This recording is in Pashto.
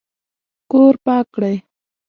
کور پاک کړئ